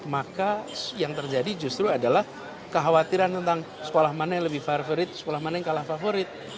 maka yang terjadi justru adalah kekhawatiran tentang sekolah mana yang lebih favorit sekolah mana yang kalah favorit